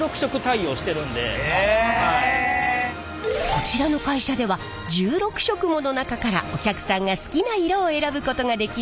こちらの会社では１６色もの中からお客さんが好きな色を選ぶことができるんです。